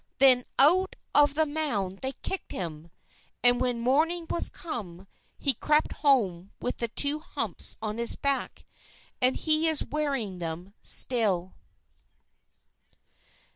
Then out of the mound they kicked him. And when morning was come, he crept home with the two humps on his back and he is wearing them still.